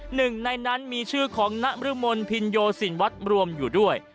หนึ่งในนั้นมีชื่อของนรมนภินโยสินวัฒน์รวมอยู่ด้วย